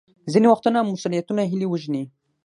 ځینې وختونه مسوولیتونه هیلې وژني.